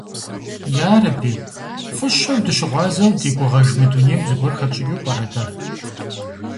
Ярэби, фӏыщэу дызыщыгъуазэу ди гугъэж мы дунейм зыгуэр хэтщӏыкӏыу пӏэрэ дэ?